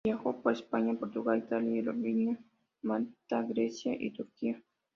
Viajó por España, Portugal, Italia, Albania, Malta, Grecia y Turquía.